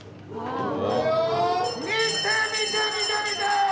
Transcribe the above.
見て見て見て見て！